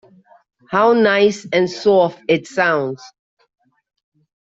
How nice and soft it sounds!